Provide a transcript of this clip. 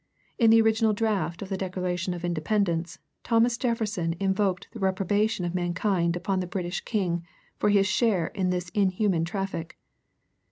In the original draft of the Declaration of Independence, Thomas Jefferson invoked the reprobation of mankind upon the British King for his share in this inhuman traffic.